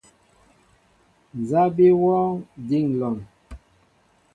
Nza bi wɔɔŋ, din lɔŋ ?